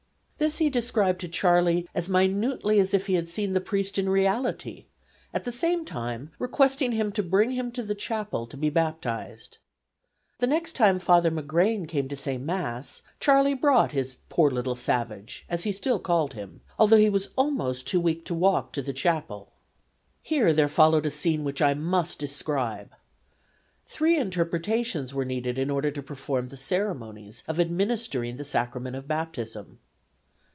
This he described to Charley as minutely as if he had seen the priest in reality, at the same time requesting him to bring him to the chapel to be baptized. The next time Father McGrane came to say Mass Charley brought his 'poor little savage,' as he still called him, although he was almost too weak to walk, to the chapel. Here there followed a scene which I must describe. Three interpretations were needed in order to perform the ceremonies of administering the Sacrament of Baptism.